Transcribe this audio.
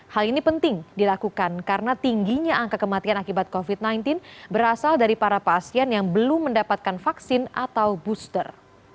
hal ini penting dilakukan karena tingginya angka kematian akibat covid sembilan belas berasal dari para pasien yang belum mendapatkan vaksin atau booster